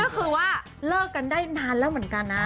ก็คือว่าเลิกกันได้นานแล้วเหมือนกันนะ